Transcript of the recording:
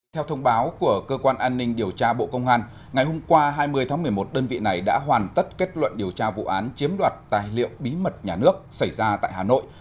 theo thông báo của cơ quan an ninh điều tra bộ công an ngày hôm qua hai mươi tháng một mươi một đơn vị này đã hoàn tất kết luận điều tra vụ án chiếm đoạt tài liệu bí mật nhà nước xảy ra tại hà nội